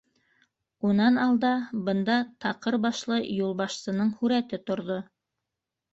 Унан алда бында таҡыр башлы юлбашсының һүрәте торҙо.